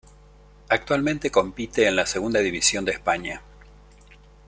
Actualmente compite en la Segunda División de España.